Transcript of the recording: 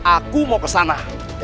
aku mau ke sana